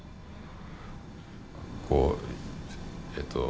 こうえっと